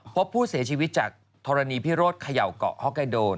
พบผู้เสียชีวิตจากธรณีพิโรธเขย่าเกาะฮอกไกโดน